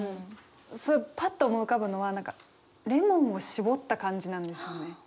すぐパッと思い浮かぶのは何かレモンをしぼった感じなんですよね。